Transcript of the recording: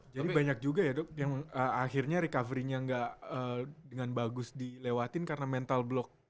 jadi banyak juga ya dok yang akhirnya recovery nya gak dengan bagus dilewatin karena mental block